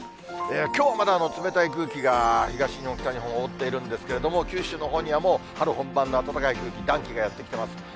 きょうはまだ、冷たい空気が東日本、北日本、覆っているんですけれども、九州のほうにはもう、春本番の暖かい空気、暖気がやって来ています。